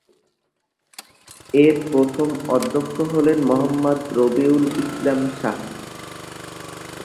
এর প্রথম অধ্যক্ষ হলেন মোহাম্মদ রবিউল ইসলাম শাহ।